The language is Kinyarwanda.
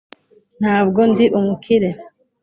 ntabwo ndi umukire